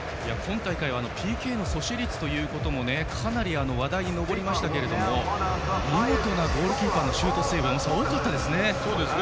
今大会はＰＫ阻止率もかなり話題に上がりましたが見事なゴールキーパーのシュートセーブも多かったですね。